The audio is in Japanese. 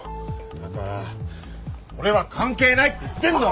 だから俺は関係ないって言ってるだろ！